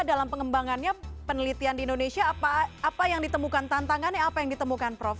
dalam pengembangannya penelitian di indonesia apa yang ditemukan tantangannya apa yang ditemukan prof